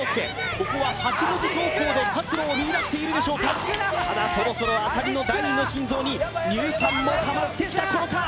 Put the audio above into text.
ここは八の字走行で活路を見いだしているでしょうかただそろそろ浅利の第二の心臓に乳酸もたまってきた頃か？